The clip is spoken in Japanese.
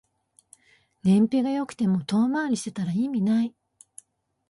燃費が良くても遠回りしてたら意味ない